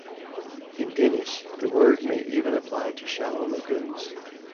In Danish, the word may even apply to shallow lagoons.